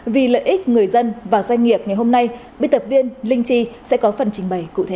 vì lợi ích người dân và doanh nghiệp ngày hôm nay bí tập viên linh chi sẽ có phần trình bày cụ thể